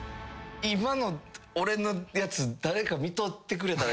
今の俺のやつ誰か見とってくれた？